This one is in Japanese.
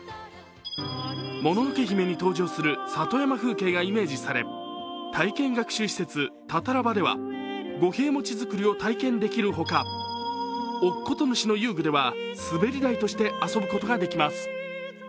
「もののけ姫」に登場する里山風景がイメージされ体験学習施設、タタラ場では五平餅作りを体験できるほか乙事主の遊具では滑り台として遊ぶことができます。